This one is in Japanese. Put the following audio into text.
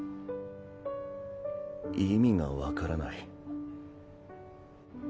意味が分からない。